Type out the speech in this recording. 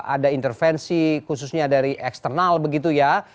ada intervensi khususnya dari eksternal begitu ya